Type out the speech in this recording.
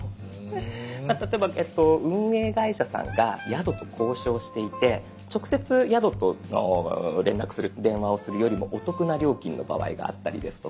まあ例えば運営会社さんが宿と交渉していて直接宿と連絡する電話をするよりもお得な料金の場合があったりですとか。